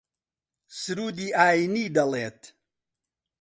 سروودی ئایینی دەڵێت